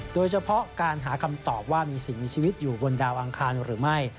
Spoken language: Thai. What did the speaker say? โดยเฉพาะการหาคำตอบว่ามีสิ่งมีชีวิตอยู่บนดาวอังคารหรือไม่